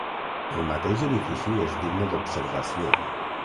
El mateix edifici és digne d'observació.